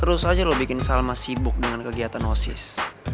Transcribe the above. terus aja lo bikin salma sibuk dengan kegiatan oasis